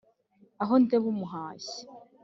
Aho ndeba umuhashyi